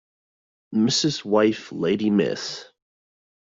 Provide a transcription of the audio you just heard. Mrs. wife lady Miss